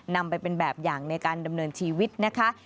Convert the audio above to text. นำไปเป็นแบบอย่างในการดำเนินชีวิตนะคะ